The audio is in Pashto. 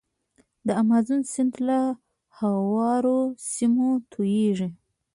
د مازون سیند له هوارو سیمو تویږي.